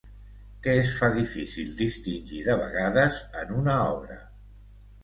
Què es fa difícil distingir de vegades en una obra?